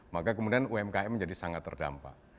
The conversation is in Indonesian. maka kemudian umkm menjadi sangat terdampak